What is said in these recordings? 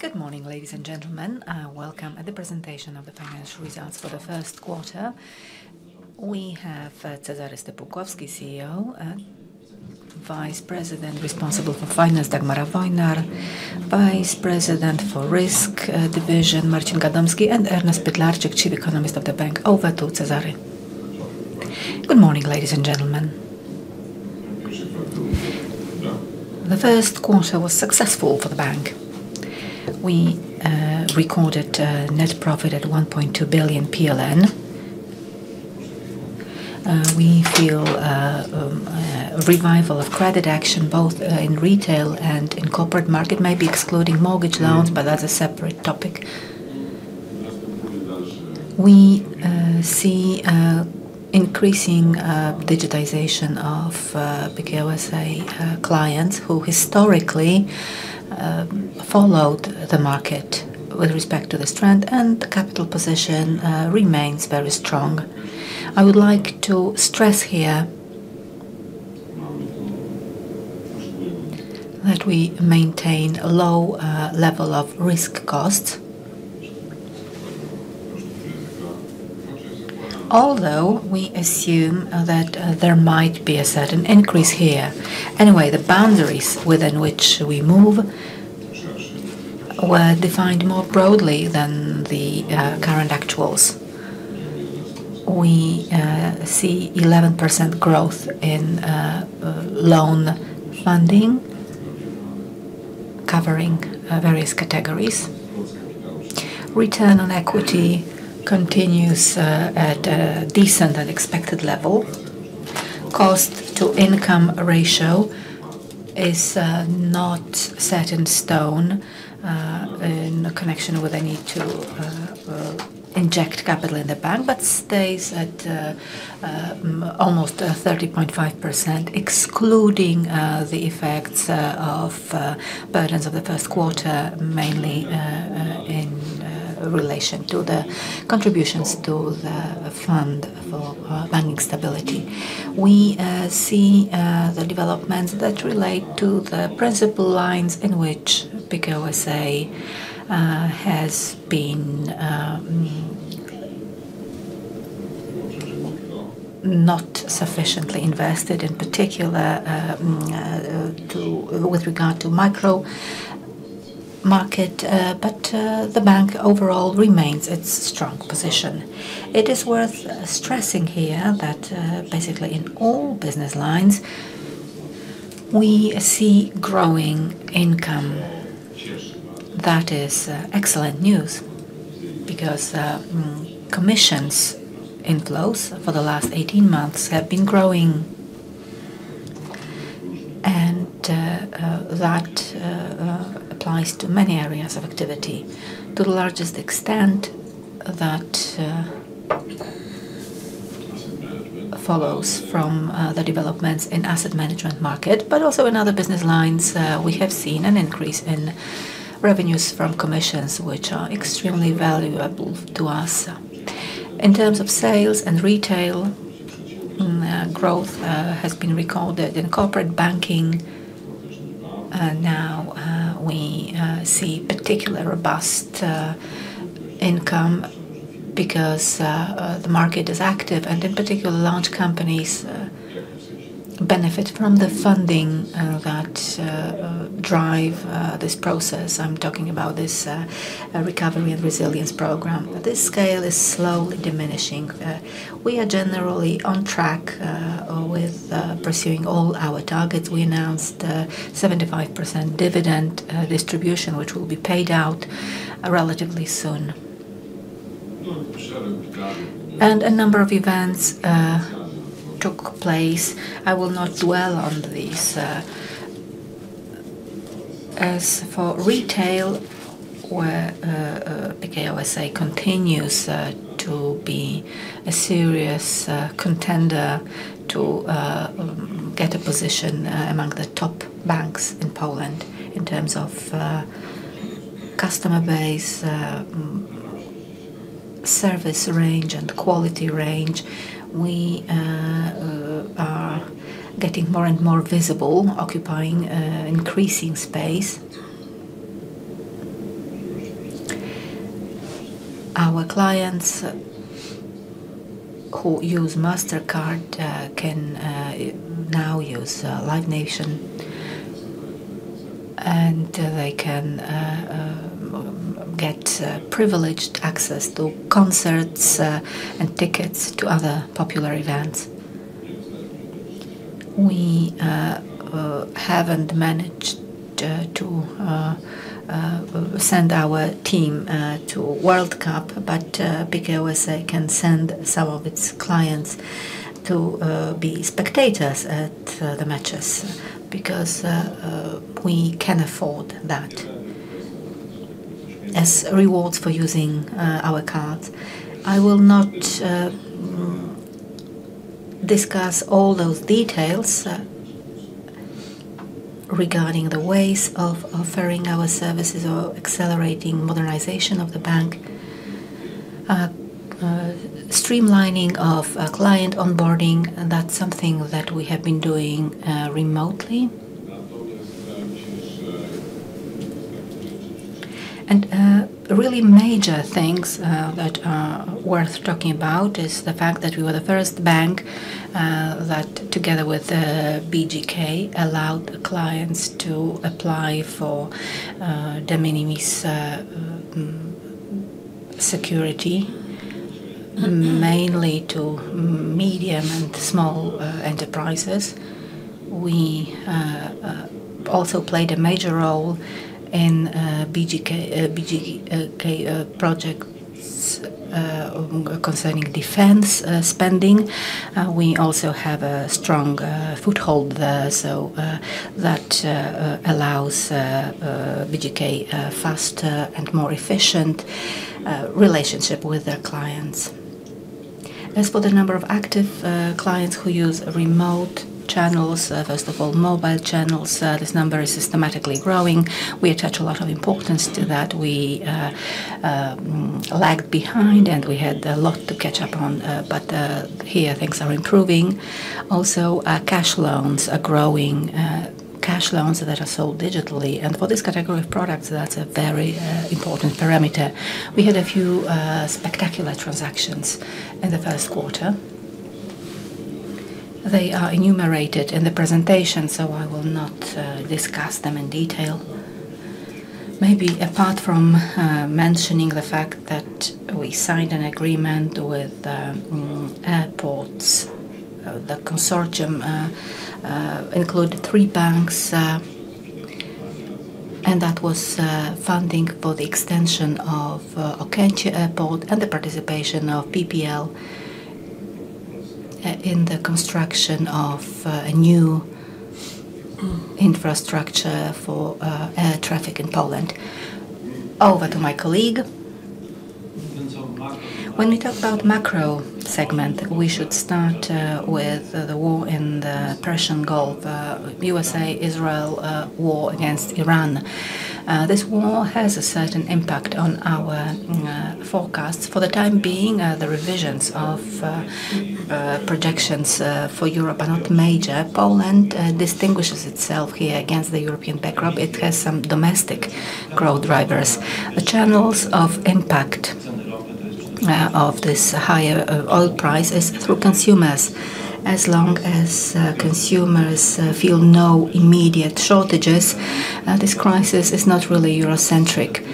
Good morning, ladies and gentlemen. Welcome at the presentation of the financial results for the Q1. We have Cezary Stypułkowski, CEO, and Vice President responsible for finance, Dagmara Wojnar, Vice President for Risk division, Marcin Gadomski, and Ernest Pytlarczyk, Chief Economist of the bank. Over to Cezary. Good morning, ladies and gentlemen. The Q1 was successful for the bank. We recorded net profit at 1.2 billion PLN. We feel a revival of credit action both in retail and in corporate market, maybe excluding mortgage loans, but that's a separate topic. We see increasing digitization of Pekao S.A. clients who historically followed the market with respect to the strength, and the capital position remains very strong. I would like to stress here that we maintain a low level of risk costs. Although we assume that there might be a certain increase here. Anyway, the boundaries within which we move were defined more broadly than the current actuals. We see 11% growth in loan funding covering various categories. Return on equity continues at a decent and expected level. cost to income ratio is not set in stone in connection with any to inject capital in the bank, but stays at almost 30.5%, excluding the effects of burdens of the Q1, mainly in relation to the contributions to the fund for banking stability. We see the developments that relate to the principal lines in which Pekao S.A. has been not sufficiently invested, in particular with regard to micro market, but the bank overall remains its strong position. It is worth stressing here that basically in all business lines we see growing income. That is excellent news because commissions in flows for the last 18 months have been growing. That applies to many areas of activity. To the largest extent that follows from the developments in asset management market, but also in other business lines, we have seen an increase in revenues from commissions, which are extremely valuable to us. In terms of sales and retail, growth has been recorded. In corporate banking, now, we see particular robust income because the market is active. In particular, large companies benefit from the funding that drive this process. I'm talking about this Recovery and Resilience Facility. This scale is slowly diminishing. We are generally on track with pursuing all our targets. We announced 75% dividend distribution, which will be paid out relatively soon. A number of events took place. I will not dwell on these. As for retail, where Pekao S.A. continues to be a serious contender to get a position among the top banks in Poland in terms of customer base, service range and quality range. We are getting more and more visible, occupying increasing space. Our clients who use Mastercard can now use Live Nation, and they can get privileged access to concerts and tickets to other popular events. We haven't managed to send our team to World Cup, but Pekao S.A. can send some of its clients to be spectators at the matches because we can afford that as rewards for using our cards. I will not discuss all those details regarding the ways of offering our services or accelerating modernization of the bank. Streamlining of client onboarding, that's something that we have been doing remotely. Really major things that are worth talking about is the fact that we were the first bank that together with BGK allowed clients to apply for de minimis security, mainly to medium and small enterprises. We also played a major role in BGK projects concerning defense spending. We also have a strong foothold there, that allows BGK a faster and more efficient relationship with their clients. As for the number of active clients who use remote channels, first of all, mobile channels, this number is systematically growing. We attach a lot of importance to that. We lagged behind, and we had a lot to catch up on. Here things are improving. Also cash loans are growing. Cash loans that are sold digitally. For this category of products, that's a very important parameter. We had a few spectacular transactions in the Q1. They are enumerated in the presentation, I will not discuss them in detail. Maybe apart from mentioning the fact that we signed an agreement with airports. The consortium include three banks, that was funding for the extension of Okęcie Airport and the participation of PPL in the construction of a new infrastructure for air traffic in Poland. Over to my colleague. When we talk about macro segment, we should start with the war in the Persian Gulf. USA-Israel war against Iran. This war has a certain impact on our forecasts. For the time being, the revisions of projections for Europe are not major. Poland distinguishes itself here against the European backdrop. It has some domestic growth drivers. The channels of impact of this higher oil price is through consumers. As long as consumers feel no immediate shortages, this crisis is not really Euro-centric.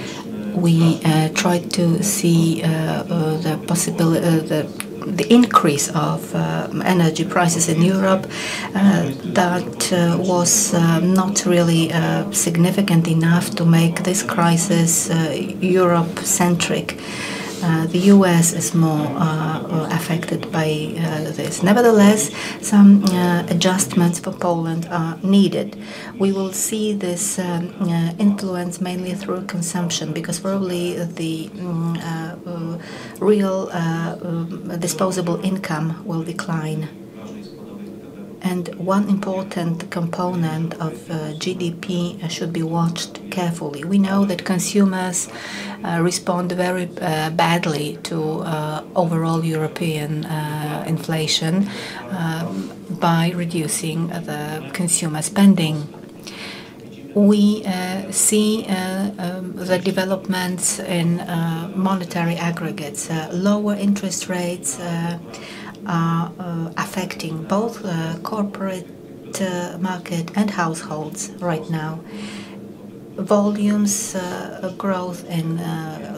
We tried to see the increase of energy prices in Europe. That was not really significant enough to make this crisis Europe-centric. The U.S. is more affected by this. Nevertheless, some adjustments for Poland are needed. We will see this influence mainly through consumption, because probably the real disposable income will decline. One important component of GDP should be watched carefully. We know that consumers respond very badly to overall European inflation by reducing the consumer spending. We see the developments in monetary aggregates. Lower interest rates are affecting both corporate market and households right now. Volumes growth in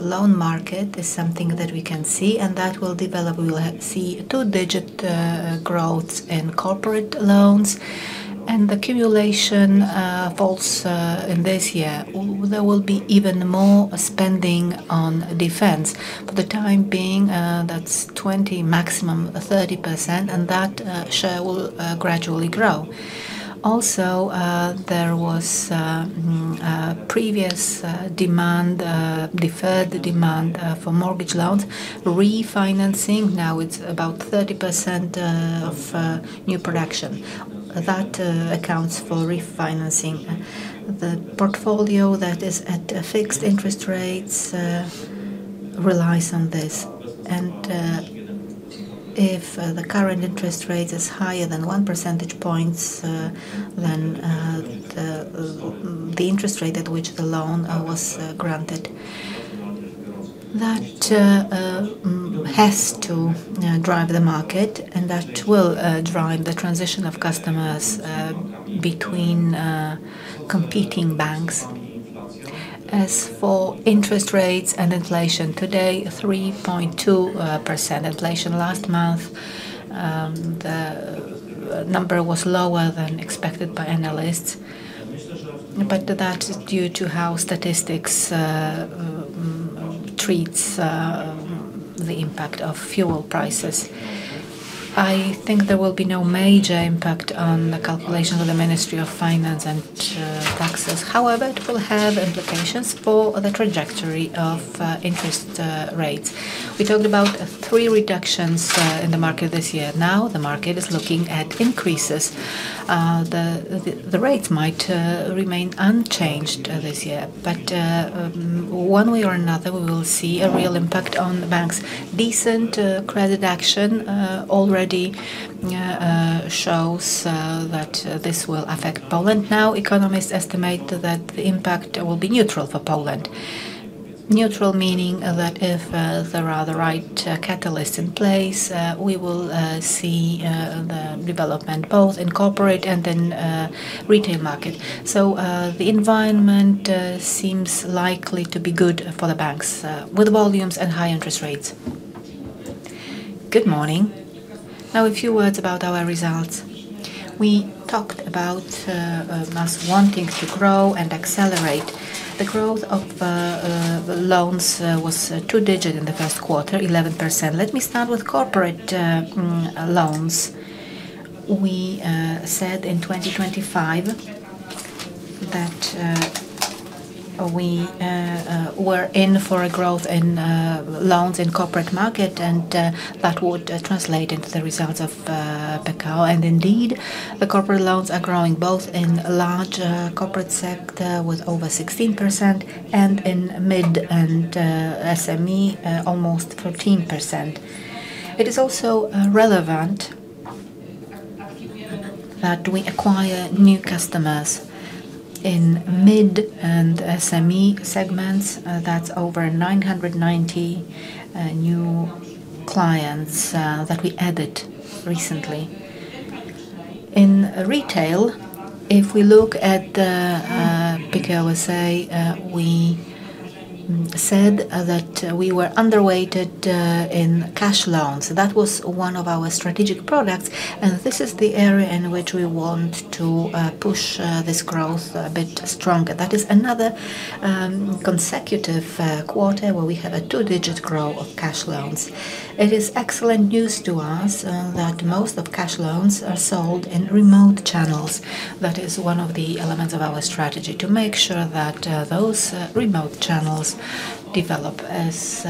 loan market is something that we can see, and that will develop. We will have see two-digit growths in corporate loans. The accumulation falls in this year. There will be even more spending on defense. For the time being, that's 20%, maximum 30%, and that share will gradually grow. Also, there was previous demand, deferred demand, for mortgage loans. Refinancing, now it's about 30% of new production. That accounts for refinancing. The portfolio that is at fixed interest rates relies on this. If the current interest rate is higher than one percentage point than the interest rate at which the loan was granted. That has to drive the market, and that will drive the transition of customers between competing banks. As for interest rates and inflation, today, 3.2% inflation. Last month, the number was lower than expected by analysts. That is due to how statistics treats the impact of fuel prices. I think there will be no major impact on the calculations of the Ministry of Finance and Taxes. However, it will have implications for the trajectory of interest rates. We talked about three reductions in the market this year. The market is looking at increases. The rates might remain unchanged this year. One way or another, we will see a real impact on the banks. Decent credit action already shows that this will affect Poland. Economists estimate that the impact will be neutral for Poland. Neutral meaning that if there are the right catalysts in place, we will see the development both in corporate and in retail market. The environment seems likely to be good for the banks with volumes and high interest rates. Good morning. Now, a few words about our results. We talked about us wanting to grow and accelerate. The growth of loans was two-digit in the Q1, 11%. Let me start with corporate loans. We said in 2025 that we were in for a growth in loans in corporate market and that would translate into the results of Pekao. Indeed, the corporate loans are growing both in large corporate sector with over 16%, and in mid and SME almost 13%. It is also relevant that we acquire new customers in mid and SME segments. That's over 990 new clients that we added recently. In retail, if we look at Pekao S.A., we said that we were underweighted in cash loans. That was one of our strategic products, and this is the area in which we want to push this growth a bit stronger. That is another consecutive quarter where we have a two-digit growth of cash loans. It is excellent news to us that most of cash loans are sold in remote channels. That is one of the elements of our strategy, to make sure that those remote channels develop as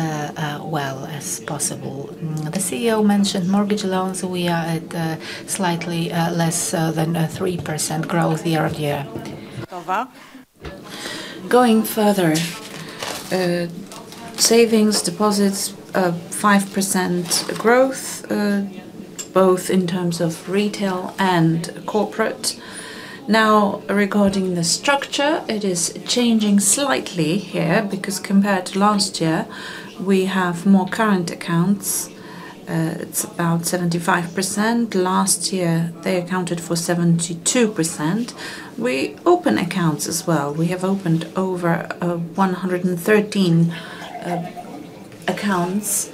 well as possible. The CEO mentioned mortgage loans. We are at slightly less than 3% growth year-over-year. Going further, savings deposits, 5% growth, both in terms of retail and corporate. Now, regarding the structure, it is changing slightly here because compared to last year, we have more current accounts. It's about 75%. Last year, they accounted for 72%. We open accounts as well. We have opened over 113 accounts,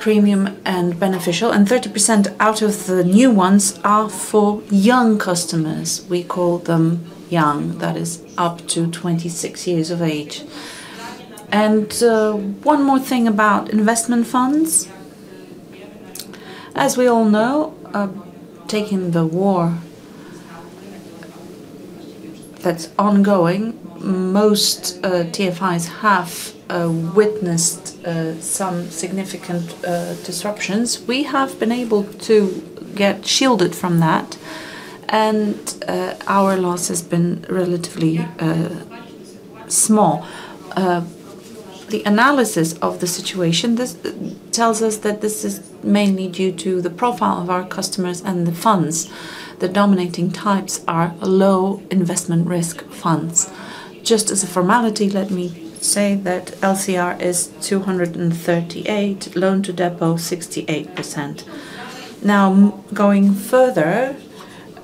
premium and beneficial, and 30% out of the new ones are for young customers. We call them young. That is up to 26 years of age. One more thing about investment funds. As we all know, taking the war that's ongoing, most TFIs have witnessed some significant disruptions. We have been able to get shielded from that, and our loss has been relatively small. The analysis of the situation, this tells us that this is mainly due to the profile of our customers and the funds. The dominating types are low investment risk funds. Just as a formality, let me say that LCR is 238, loan to deposit, 68%. Going further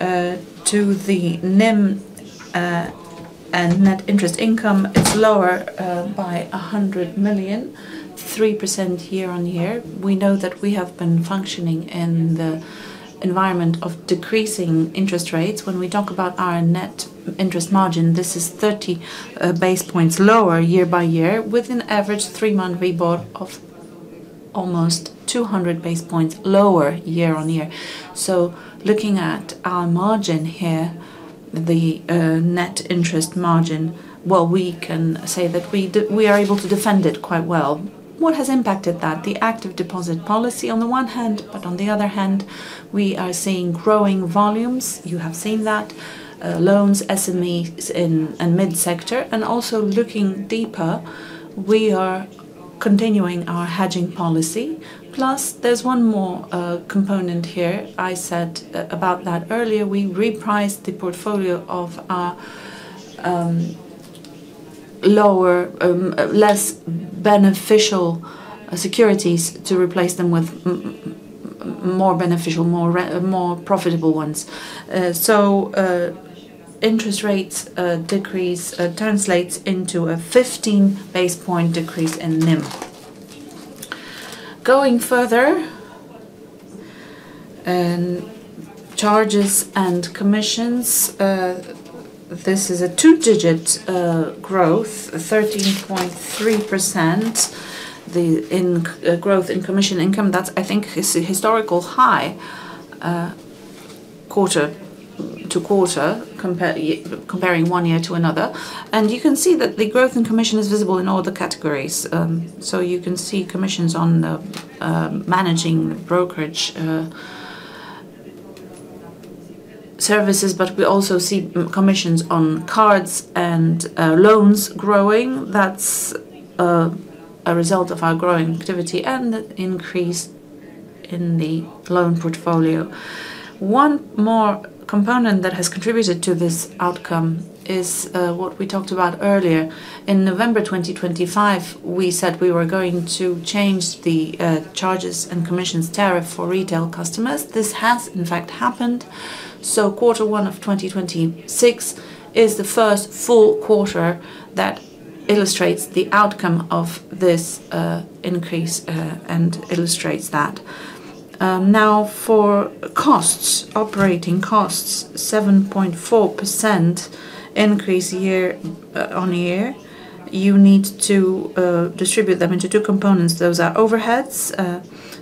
to the NIM, and net interest income is lower by 100 million, 3% year-on-year. We know that we have been functioning in the environment of decreasing interest rates. When we talk about our net interest margin, this is 30 basis points lower year-by-year, with an average three-month WIBOR of almost 200 basis points lower year-on-year. Looking at our margin here, the net interest margin, well, we can say that we are able to defend it quite well. What has impacted that? The active deposit policy on the one hand, but on the other hand, we are seeing growing volumes. You have seen that. Loans, SMEs and mid-sector. Also looking deeper, we are continuing our hedging policy. Plus, there's one more component here. I said about that earlier. We repriced the portfolio of our lower less beneficial securities to replace them with more beneficial, more profitable ones. Interest rates decrease translates into a 15 basis point decrease in NIM. Going further, charges and commissions, this is a two-digit growth, 13.3%. The growth in commission income, that I think is a historical high, quarter-to-quarter comparing one year to another. You can see that the growth in commission is visible in all the categories. You can see commissions on the managing brokerage services, but we also see commissions on cards and loans growing. That's a result of our growing activity and increased in the loan portfolio. One more component that has contributed to this outcome is what we talked about earlier. In November 2025, we said we were going to change the charges and commissions tariff for retail customers. This has in fact happened. Q1 of 2026 is the first full quarter that illustrates the outcome of this increase and illustrates that. Now for costs, operating costs, 7.4% increase year-on-year. You need to distribute them into two components. Those are overheads,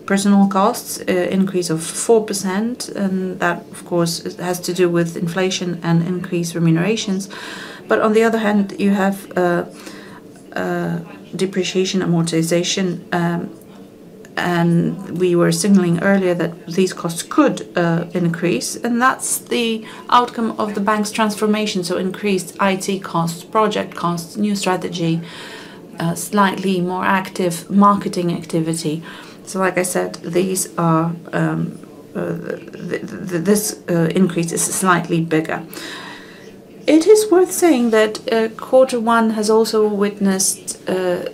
personnel costs, increase of 4%, and that of course has to do with inflation and increased remunerations. On the other hand, you have depreciation amortization, and we were signaling earlier that these costs could increase, and that's the outcome of the bank's transformation. Increased IT costs, project costs, new strategy, slightly more active marketing activity. Like I said, these are, this increase is slightly bigger. It is worth saying that, Q1 has also witnessed the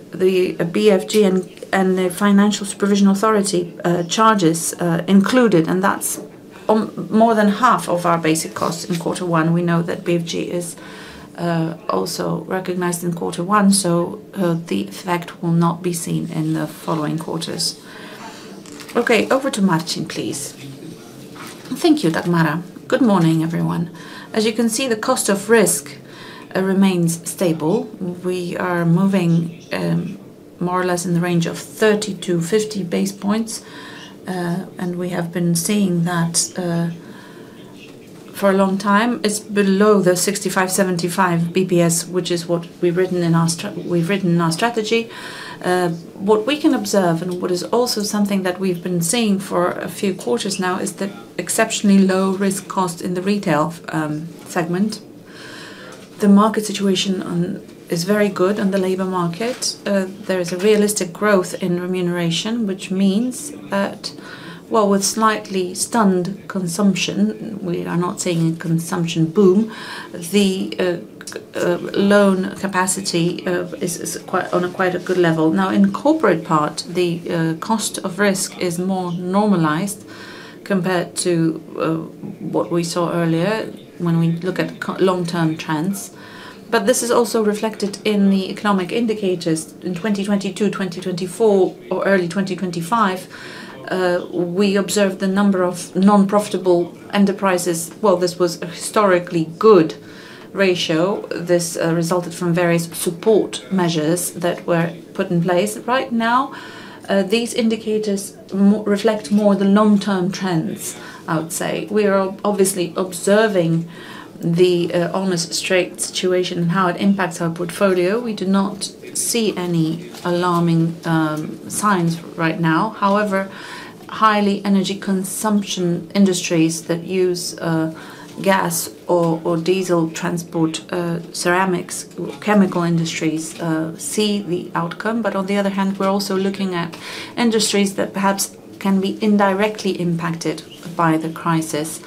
BFG and the Financial Supervision Authority charges included, and that's on more than half of our basic costs in Q1. We know that BFG is also recognized in Q1, the effect will not be seen in the following quarters. Okay, over to Marcin, please. Thank you, Dagmara. Good morning, everyone. As you can see, the cost of risk remains stable. We are moving more or less in the range of 30-50 basis points, we have been seeing that for a long time. It's below the 65-75 BPS, which is what we've written in our strategy. What we can observe and what is also something that we've been seeing for a few quarters now is the exceptionally low risk cost in the retail segment. The market situation is very good on the labor market. There is a realistic growth in remuneration, which means that while with slightly stunned consumption, we are not seeing a consumption boom, the loan capacity is on a quite a good level. Now, in corporate part, the cost of risk is more normalized compared to what we saw earlier when we look at long-term trends. This is also reflected in the economic indicators. In 2022, 2024 or early 2025, we observed the number of non-profitable enterprises, well, this was a historically good ratio. This resulted from various support measures that were put in place. Right now, these indicators reflect more the long-term trends, I would say. We are obviously observing the Hormuz Strait situation and how it impacts our portfolio. We do not see any alarming signs right now. Highly energy consumption industries that use gas or diesel transport, ceramics, chemical industries, see the outcome. On the other hand, we're also looking at industries that perhaps can be indirectly impacted by the crisis.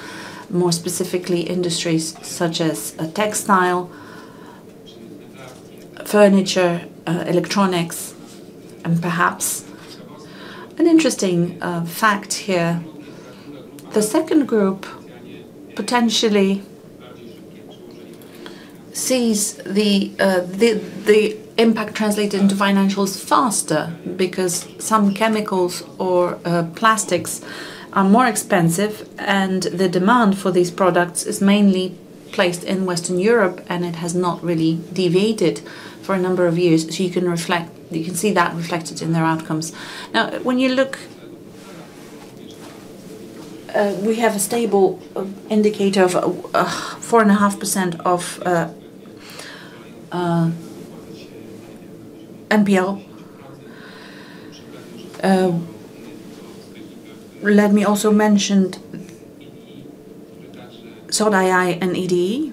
More specifically, industries such as textile, furniture, electronics, and perhaps an interesting fact here. The second group potentially sees the impact translate into financials faster because some chemicals or plastics are more expensive and the demand for these products is mainly placed in Western Europe, it has not really deviated for a number of years. You can see that reflected in their outcomes. When you look, we have a stable indicator of 4.5% of NPL. Let me also mention ZOTI and EDE.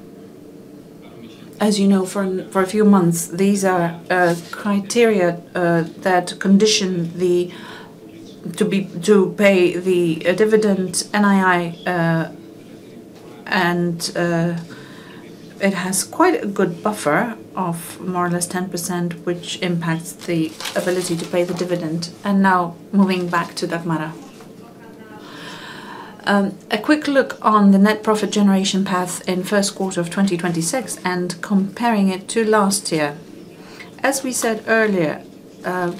As you know, for a few months, these are criteria that condition the to pay the dividend NII, and it has quite a good buffer of more or less 10%, which impacts the ability to pay the dividend. Now, moving back to Dagmara. A quick look on the net profit generation path in Q1 of 2026 and comparing it to last year. As we said earlier,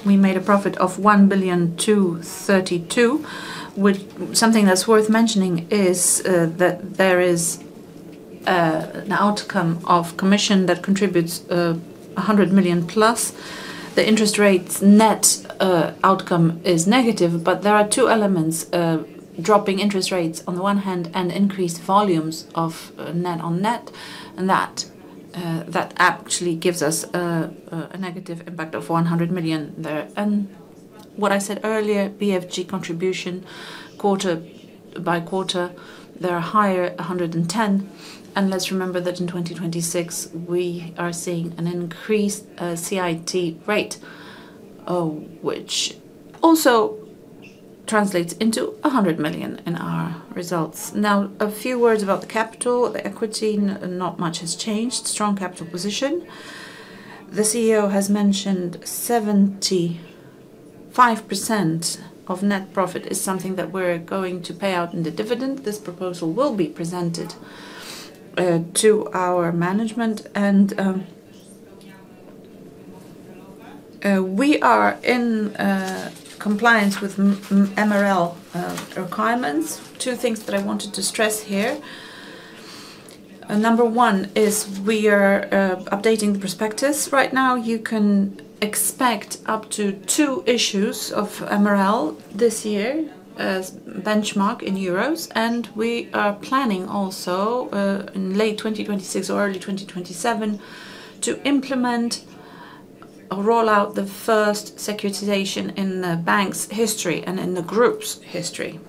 we made a profit of 1 billion to 32%. Something that's worth mentioning is that there is an outcome of commission that contributes 100 million plus. The interest rates net outcome is negative, but there are two elements, dropping interest rates on the one hand and increased volumes of net on net. That actually gives us a negative impact of 100 million there. What I said earlier, BFG contribution quarter-by-quarter, they are higher, 110. Let's remember that in 2026 we are seeing an increased CIT rate, which also translates into 100 million in our results. Now, a few words about the capital. The equity, not much has changed. Strong capital position. The CEO has mentioned 75% of net profit is something that we're going to pay out in the dividend. This proposal will be presented to our management and we are in compliance with MREL requirements. Two things that I wanted to stress here. Number one is we are updating the prospectus right now. You can expect up to two issues of MREL this year as benchmark in euros, and we are planning also in late 2026 or early 2027 to implement or roll out the first securitization in the bank's history and in the group's history.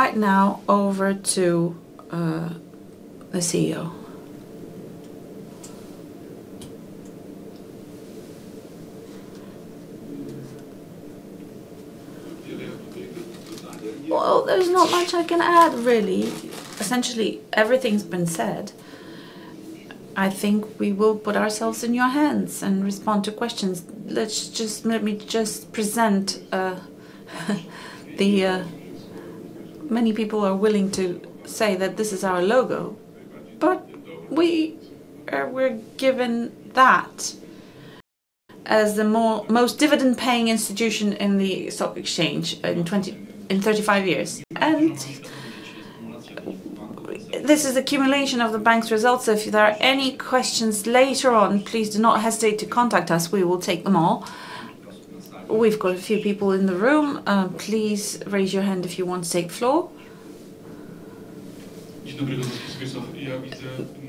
Right now, over to the CEO. Well, there is not much I can add, really. Essentially, everything's been said. I think we will put ourselves in your hands and respond to questions. Let me just present the... Many people are willing to say that this is our logo, but we're given that as the most dividend paying institution in the stock exchange in 35 years. This is accumulation of the bank's results. If there are any questions later on, please do not hesitate to contact us. We will take them all. We've got a few people in the room. Please raise your hand if you want to take the floor.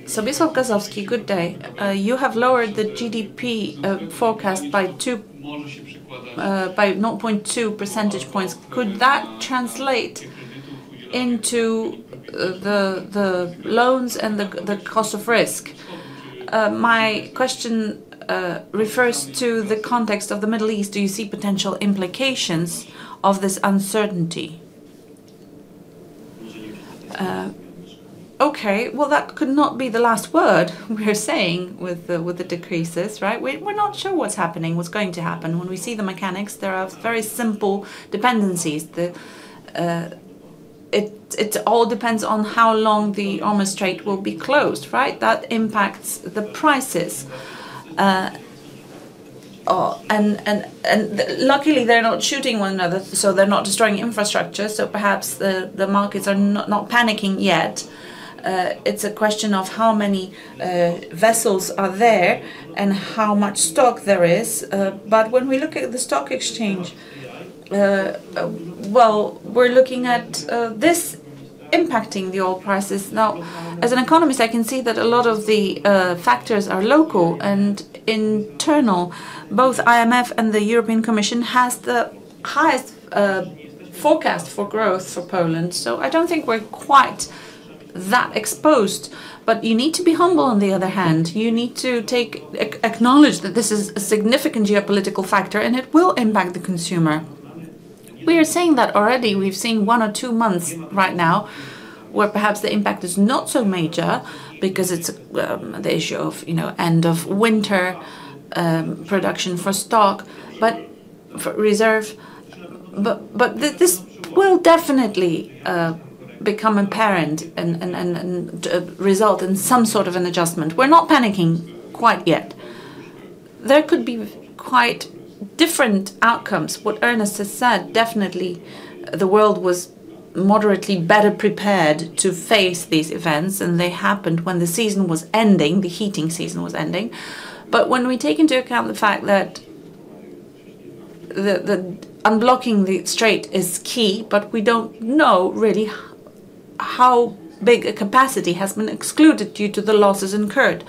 Sobiesław Kozłowski, good day. You have lowered the GDP forecast by 0.2 percentage points. Could that translate into the loans and the cost of risk? My question refers to the context of the Middle East. Do you see potential implications of this uncertainty? Okay. Well, that could not be the last word we're saying with the decreases, right? We're not sure what's happening, what's going to happen. When we see the mechanics, there are very simple dependencies. It all depends on how long the Hormuz Strait will be closed, right? That impacts the prices. Luckily, they're not shooting one another, so they're not destroying infrastructure, so perhaps the markets are not panicking yet. It's a question of how many vessels are there and how much stock there is. When we look at the stock exchange, well, we're looking at this impacting the oil prices. Now, as an economist, I can see that a lot of the factors are local and internal. Both IMF and the European Commission has the highest forecast for growth for Poland. I don't think we're quite that exposed. You need to be humble, on the other hand. You need to acknowledge that this is a significant geopolitical factor, and it will impact the consumer. We are seeing that already. We've seen one or two months right now where perhaps the impact is not so major because it's the issue of, you know, end of winter, production for stock, but for reserve. This will definitely become apparent and result in some sort of an adjustment. We're not panicking quite yet. There could be quite different outcomes. What Ernest has said, definitely the world was moderately better prepared to face these events, and they happened when the season was ending, the heating season was ending. When we take into account the fact that the unblocking the strait is key, but we don't know really how big a capacity has been excluded due to the losses incurred,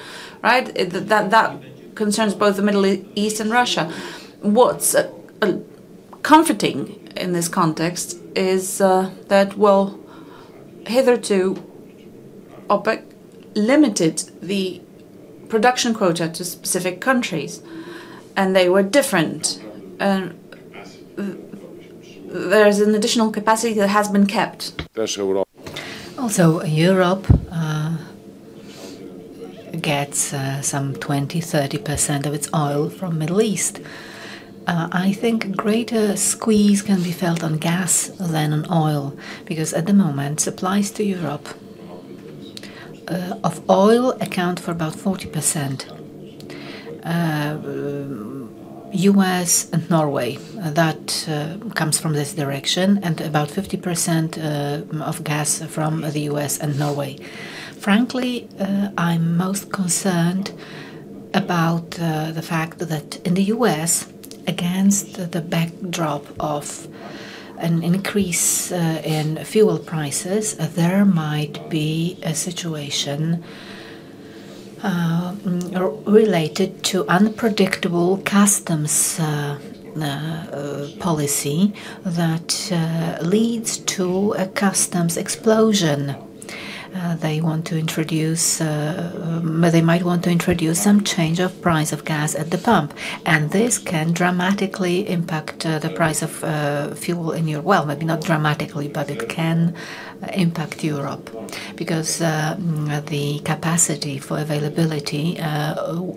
right? That concerns both the Middle East and Russia. What's comforting in this context is that, well, hitherto, OPEC limited the production quota to specific countries, and they were different. There is an additional capacity that has been kept. Also, Europe gets some 20%-30% of its oil from Middle East. I think greater squeeze can be felt on gas than on oil, because at the moment, supplies to Europe of oil account for about 40%, U.S. and Norway. That comes from this direction, and about 50% of gas from the U.S. and Norway. Frankly, I'm most concerned about the fact that in the U.S., against the backdrop of an increase in fuel prices, there might be a situation. Related to unpredictable customs policy that leads to a customs explosion. They might want to introduce some change of price of gas at the pump, and this can dramatically impact the price of fuel in Europe. Well, maybe not dramatically, but it can impact Europe because the capacity for availability,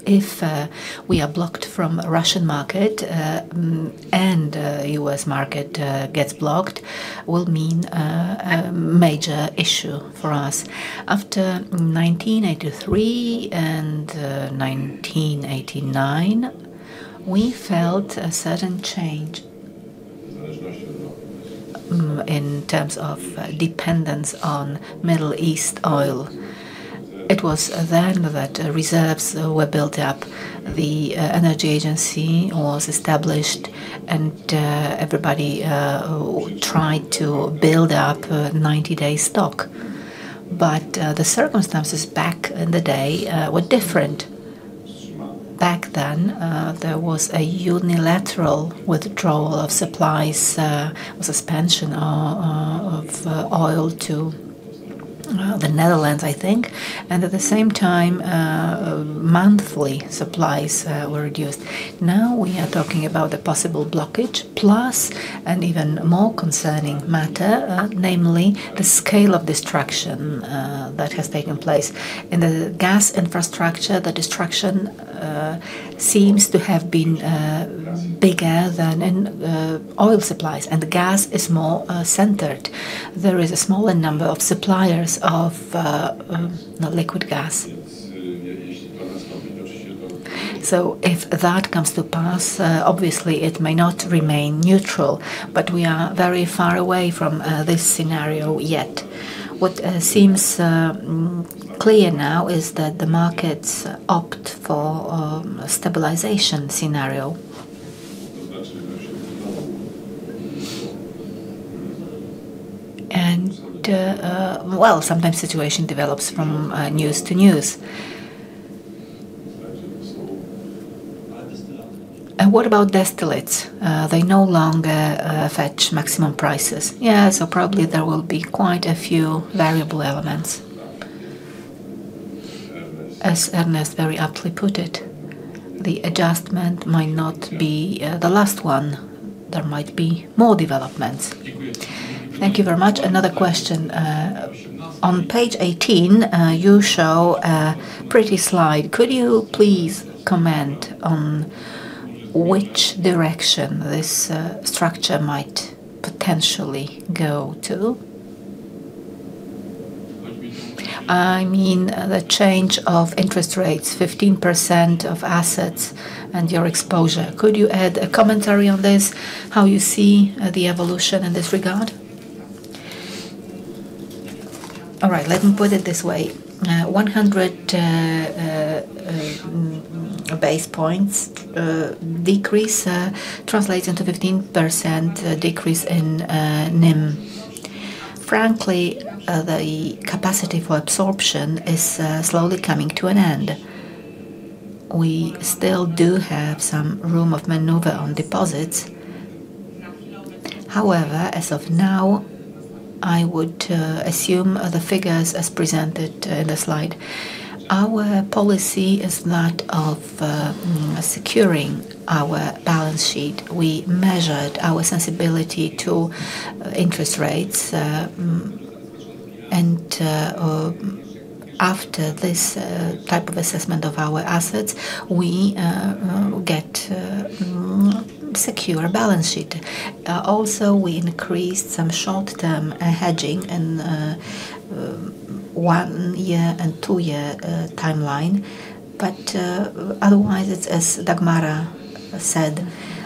if we are blocked from Russian market, and U.S. market gets blocked will mean a major issue for us. After 1983 and 1989, we felt a certain change in terms of dependence on Middle East oil. It was then that reserves were built up. The energy agency was established and everybody tried to build up a 90-day stock. The circumstances back in the day were different. Back then, there was a unilateral withdrawal of supplies, or suspension of oil to the Netherlands, I think. At the same time, monthly supplies were reduced. We are talking about the possible blockage plus an even more concerning matter, namely the scale of destruction that has taken place. In the gas infrastructure, the destruction seems to have been bigger than in oil supplies, and gas is more centered. There is a smaller number of suppliers of liquid gas. If that comes to pass, obviously it may not remain neutral, but we are very far away from this scenario yet. What seems clear now is that the markets opt for stabilization scenario. Well, sometimes situation develops from news to news. What about distillates? They no longer fetch maximum prices. Yeah. Probably there will be quite a few variable elements. As Ernest very aptly put it, the adjustment might not be the last one. There might be more developments. Thank you very much. Another question. On page 18, you show a pretty slide. Could you please comment on which direction this structure might potentially go to? I mean, the change of interest rates, 15% of assets and your exposure. Could you add a commentary on this, how you see the evolution in this regard? All right, let me put it this way. 100 basis points decrease translates into 15% decrease in NIM. Frankly, the capacity for absorption is slowly coming to an end. We still do have some room of maneuver on deposits. However, as of now, I would assume the figures as presented in the slide. Our policy is that of securing our balance sheet. We measured our sensibility to interest rates, and after this type of assessment of our assets, we get a secure balance sheet. Also, we increased some short-term hedging in one-year and two-year timeline, but otherwise it's as Dagmara said.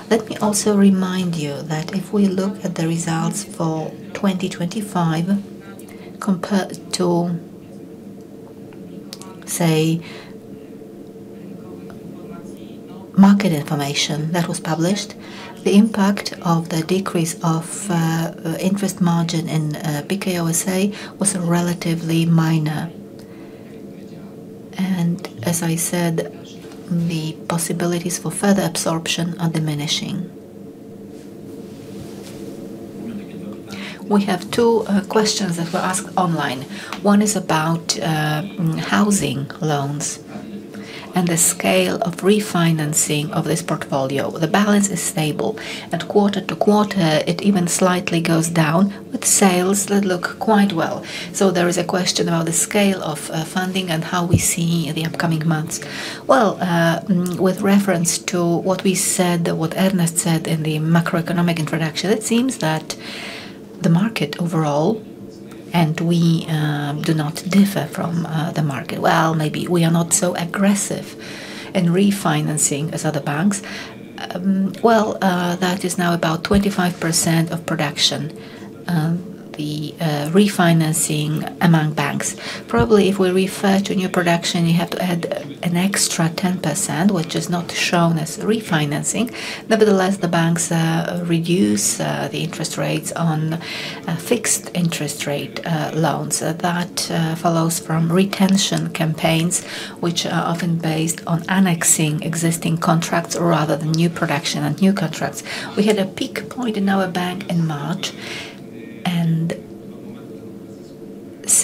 Let me also remind you that if we look at the results for 2025 compared to, say, market information that was published, the impact of the decrease of interest margin in Bank Pekao S.A. was relatively minor. As I said, the possibilities for further absorption are diminishing. We have two questions that were asked online. One is about housing loans and the scale of refinancing of this portfolio. The balance is stable, and quarter-to-quarter it even slightly goes down with sales that look quite well. There is a question about the scale of funding and how we see the upcoming months. Well, with reference to what we said, what Ernest said in the macroeconomic introduction, it seems that the market overall, and we do not differ from the market. Maybe we are not so aggressive in refinancing as other banks. That is now about 25% of production, the refinancing among banks. Probably if we refer to new production, you have to add an extra 10%, which is not shown as refinancing. Nevertheless, the banks reduce the interest rates on fixed interest rate loans. That follows from retention campaigns, which are often based on annexing existing contracts rather than new production and new contracts. We had a peak point in our bank in March.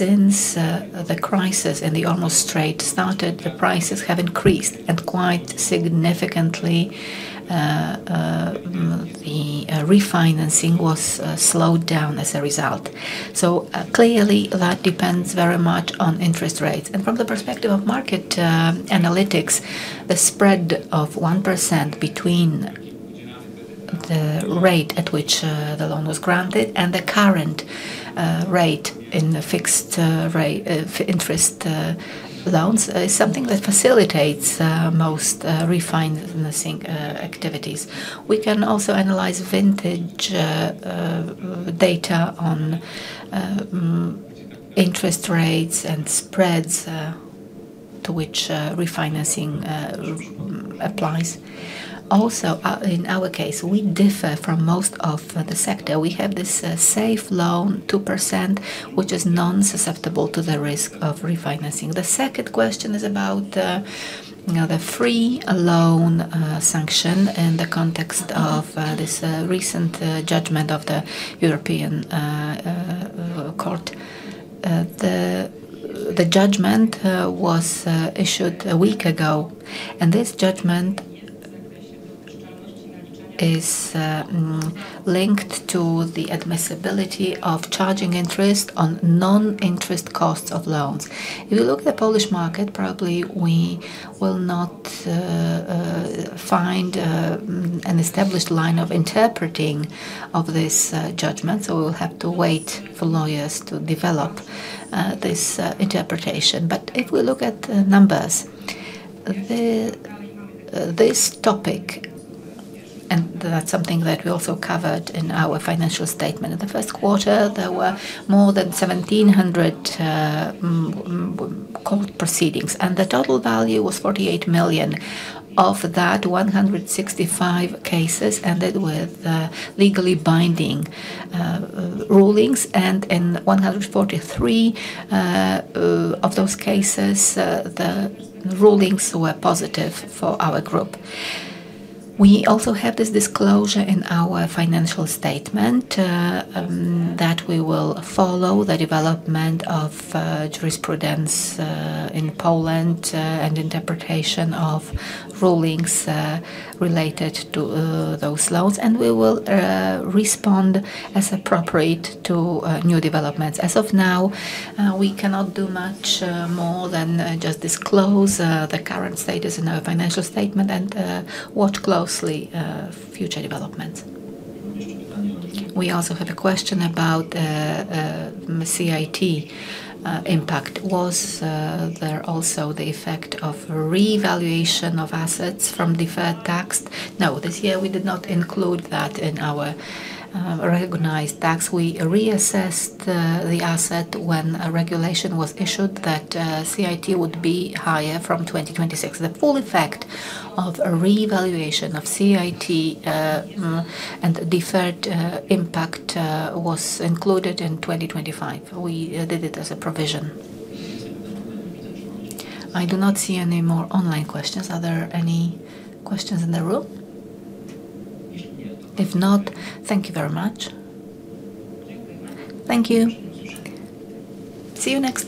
Since the crisis in the Hormuz Strait started, the prices have increased and quite significantly. The refinancing was slowed down as a result. Clearly, that depends very much on interest rates. From the perspective of market analytics, the spread of 1% between the rate at which the loan was granted and the current rate in the fixed interest loans is something that facilitates most refinancing activities. We can also analyze vintage data on interest rates and spreads to which refinancing applies. Also, in our case, we differ from most of the sector. We have this Safe Loan 2%, which is non-susceptible to the risk of refinancing. The second question is about, you know, the free loan sanction in the context of this recent judgment of the European Court. The judgment was issued a week ago, and this judgment is linked to the admissibility of charging interest on non-interest costs of loans. If you look at the Polish market, probably we will not find an established line of interpreting of this judgment. We'll have to wait for lawyers to develop this interpretation. If we look at the numbers, this topic, and that's something that we also covered in our financial statement. In the Q1, there were more than 1,700 court proceedings, and the total value was 48 million. Of that, 165 cases ended with legally binding rulings. In 143 of those cases, the rulings were positive for our group. We also have this disclosure in our financial statement that we will follow the development of jurisprudence in Poland and interpretation of rulings related to those loans, and we will respond as appropriate to new developments. As of now, we cannot do much more than just disclose the current status in our financial statement and watch closely future developments. We also have a question about CIT impact. Was there also the effect of revaluation of assets from deferred tax? No. This year, we did not include that in our recognized tax. We reassessed the asset when a regulation was issued that CIT would be higher from 2026. The full effect of a revaluation of CIT and deferred impact was included in 2025. We did it as a provision. I do not see any more online questions. Are there any questions in the room? If not, thank you very much. Thank you. See you next time.